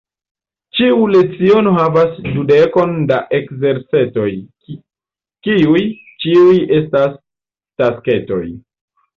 Ĉiu leciono havas dudekon da ekzercetoj, kiuj ĉiuj estas tasketoj.